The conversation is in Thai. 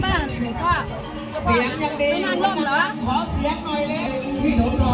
อาจารย์สะเทือนครูดีศิลปันติน